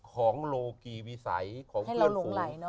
ของโลกีวิสัยของเพื่อนฝูง